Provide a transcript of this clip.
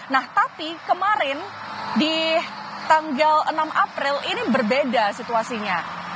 nah tapi kemarin di tanggal enam april ini berbeda situasinya